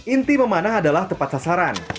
inti memanah adalah tepat sasaran